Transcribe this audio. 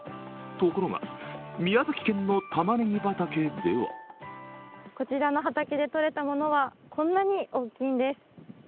ところが宮崎県のたまねぎ畑ではこちらの畑でとれたものはこんなに大きいんです。